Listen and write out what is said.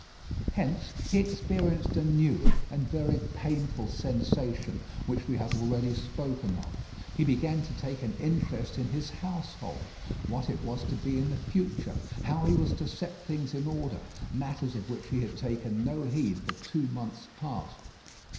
Hence he experienced a new and very painful sensation, which we have already spoken of. He began to take an interest in his household what it was to be in the future how he was to set things in order; matters of which he had taken no heed for two months past.